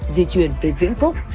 di chuyển về vĩnh phúc